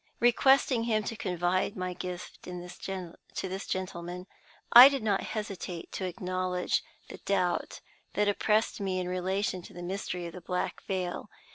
Requesting him to confide my gift to this gentleman, I did not hesitate to acknowledge the doubt that oppressed me in relation to the mystery of the black veil.